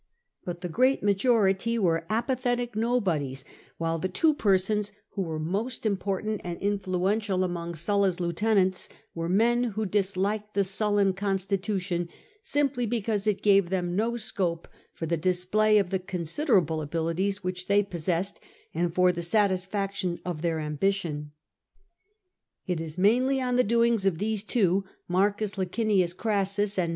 But the great majority were apathetic UNEEST AFTER SULLA'S DEATH 163 nobodies, while the two persons who were most important and influential among Sulla's lieutenants were men who disliked the Sullan constitution, simply because it gave them no scope for the display of the considerable abilities which they possessed, and for the satisfaction of their am bition. It is mainly on the doings of these two, Marcus Licinius Orassus and Gn.